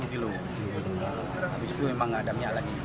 habis itu memang gak ada minyak lagi